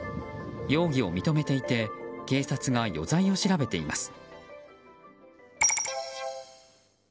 容疑を認めていて警察が余罪を調べています。